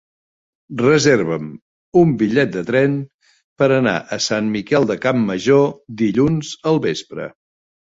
Reserva'm un bitllet de tren per anar a Sant Miquel de Campmajor dilluns al vespre.